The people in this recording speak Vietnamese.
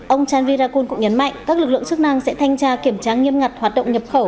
ông chanvirakul cũng nhấn mạnh các lực lượng chức năng sẽ thanh tra kiểm tra nghiêm ngặt hoạt động nhập khẩu